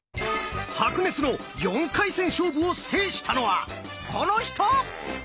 白熱の４回戦勝負を制したのはこの人！